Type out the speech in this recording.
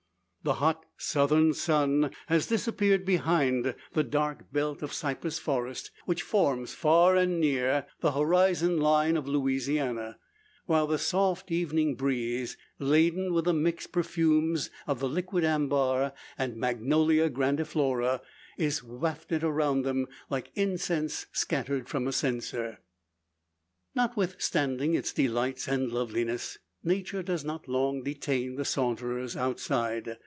The hot southern sun has disappeared behind the dark belt of cypress forest, which forms, far and near, the horizon line of Louisiana; while the soft evening breeze, laden with the mixed perfumes of the liquid ambar, and magnolia grandiflora, is wafted around them, like incense scattered from a censer. Notwithstanding its delights, and loveliness, Nature does not long detain the saunterers outside.